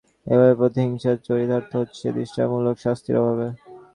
এভাবেই প্রতিহিংসা চরিতার্থ হচ্ছে দৃষ্টান্তমূলক শাস্তির অভাবে।